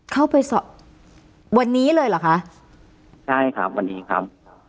เข้าไปสอบวันนี้เลยเหรอคะใช่ครับวันนี้ครับ